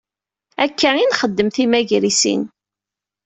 Akka i d-nxeddem timagrisin.